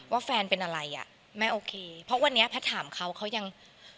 ว่าแฟนเป็นอะไรอ่ะแม่โอเคเพราะวันนี้แพทย์ถามเขาเขายัง